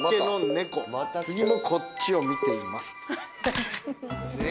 次もこっちを見ています。